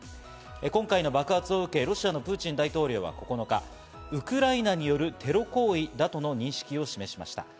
今回の爆発を受け、ロシアのプーチン大統領は９日、ウクライナによるテロ行為だとの認識を示しました。